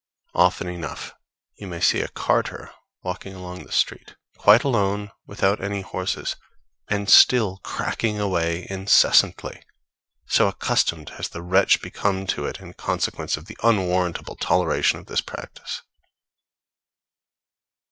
Often enough you may see a carter walking along the street, quite alone, without any horses, and still cracking away incessantly; so accustomed has the wretch become to it in consequence of the unwarrantable toleration of this practice.